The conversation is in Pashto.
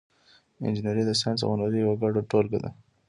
انجنیری د ساینس او هنر یوه ګډه ټولګه ده.